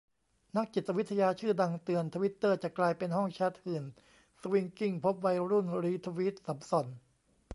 นักจิตวิทยาชื่อดังเตือน ทวิตเตอร์จะกลายเป็นห้องแชตหื่นสวิงกิ้ง พบวัยรุ่นรีทวีตสำส่อน